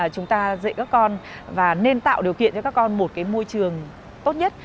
chúng ta dạy các con và nên tạo điều kiện cho các con một cái môi trường tốt nhất